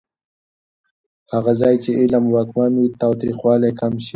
هغه ځای چې علم واکمن وي، تاوتریخوالی کم شي.